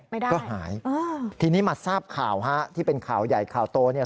ไม่ได้ก็หายอ่าทีนี้มาทราบข่าวฮะที่เป็นข่าวใหญ่ข่าวโตเนี่ย